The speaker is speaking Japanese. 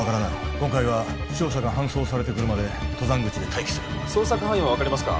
今回は負傷者が搬送されてくるまで登山口で待機する捜索範囲は分かりますか？